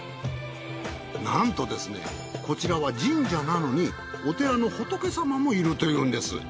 なんとですねこちらは神社なのにお寺の仏様もいるというんです。